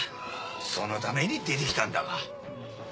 そのために出てきだんだが。